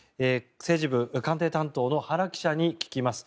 政治部官邸担当の原記者に聞きます。